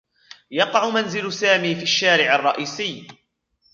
يقع منزل سامي في الشارع الرئيسي.